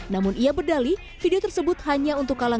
namun ia berdali video tersebut hanya untuk kalangan